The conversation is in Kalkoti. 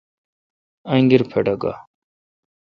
انگیر پھٹھکہ